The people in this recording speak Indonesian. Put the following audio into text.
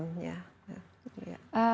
kita punya pembangunan